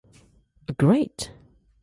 A great.